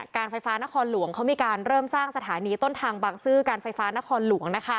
การไฟฟ้านครหลวงเขามีการเริ่มสร้างสถานีต้นทางบังซื้อการไฟฟ้านครหลวง